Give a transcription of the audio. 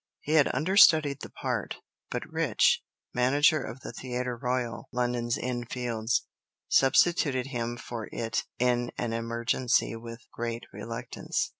He had understudied the part, but Rich, manager of the Theatre Royal, Lincoln's Inn Fields, substituted him for it in an emergency with great reluctance.